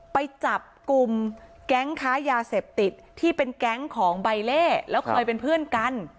ไปจับกลุ่มแก๊งค้ายาเสพติดที่เป็นแก๊งของใบเล่แล้วเคยเป็นเพื่อนกัน